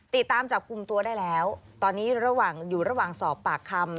ติดตามจับกลุ่มตัวได้แล้วตอนนี้ระหว่างอยู่ระหว่างสอบปากคำ